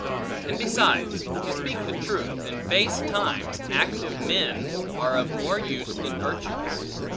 And besides, to speak truth, in base times, active men are of more use than virtuous.